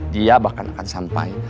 dia bahkan akan sampai